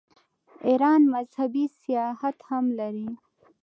ایران مذهبي سیاحت هم لري.